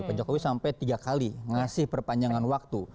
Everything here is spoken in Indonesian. pak jokowi sampai tiga kali ngasih perpanjangan waktu